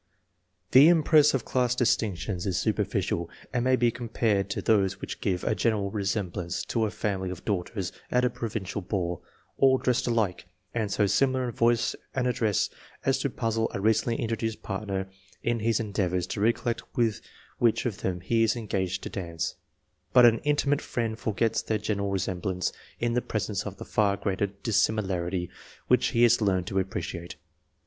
The impress of class distinctions is superficial, and may be compared to those which give a general resemblance to a family of daughters at a provincial ball, all dressed alike, and so simUar in voice and address as to puzzle a recently introduced partner in his endeavours to recollect with which of them he is engaged to dance; but an intimate friend forgets their general resemblance in the presence of the far greater dissimilarity which he has learned to appreciate.